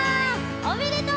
おめでとう！